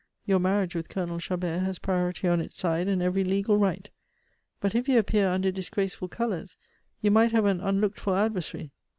Your marriage with Colonel Chabert has priority on its side and every legal right. But if you appear under disgraceful colors, you might have an unlooked for adversary.